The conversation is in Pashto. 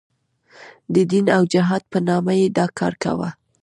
د دین او جهاد په نامه یې دا کار کاوه.